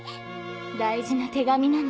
大事な手紙なの。